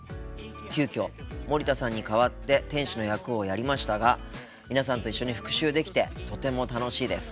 急きょ森田さんに代わって店主の役をやりましたが皆さんと一緒に復習できてとても楽しいです。